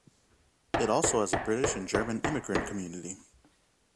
It also has a British and German immigrant community.